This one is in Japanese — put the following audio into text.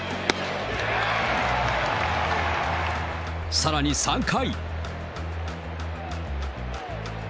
さらに３回。